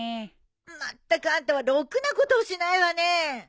まったくあんたはろくなことをしないわね。